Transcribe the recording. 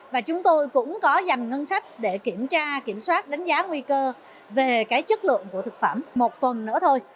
và chúng tôi cũng có dành ngân sách để kiểm tra kiểm soát đánh giá nguy cơ về chất lượng của thực phẩm một tuần nữa thôi